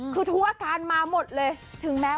คือทุกอาการมาหมดเลย